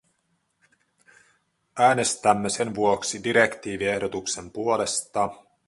Äänestämme sen vuoksi direktiiviehdotuksen puolesta.